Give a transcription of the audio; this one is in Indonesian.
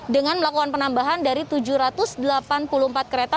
dengan melakukan penambahan dari tujuh ratus delapan puluh empat kereta